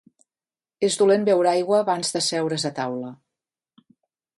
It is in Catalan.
És dolent beure aigua abans d'asseure's a taula.